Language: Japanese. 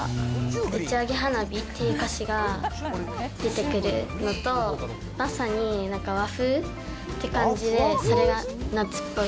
打ち上げ花火っていう歌詞が出てくるのと、まさになんか和風って感じで、それが夏っぽい。